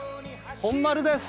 本丸です！